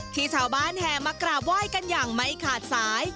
ที่ชาวบ้านแห่มากราบไหว้กันอย่างไม่ขาดสาย